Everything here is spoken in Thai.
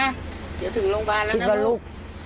เดี๋ยวถึงโรงพยาบาลแล้วนะลูกพี่ก็ลูก